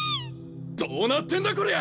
どうなってんだこりゃ！